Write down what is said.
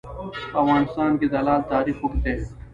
په افغانستان کې د لعل تاریخ اوږد دی.